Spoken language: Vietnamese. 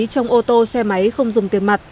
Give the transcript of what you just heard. trong ô tô xe máy không dùng tiền mặt